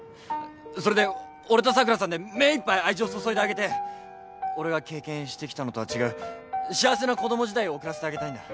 それで俺と桜さんで目いっぱい愛情注いであげて俺が経験してきたのとは違う幸せな子供時代を送らせてあげたいんだ。